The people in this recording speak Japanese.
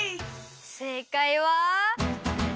せいかいは。